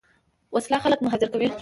وسله خلک مهاجر کوي